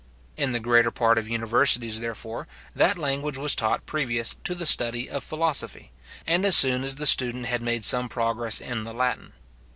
In the greater part of universities, therefore, that language was taught previous to the study of philosophy, and as soon as the student had made some progress in the Latin.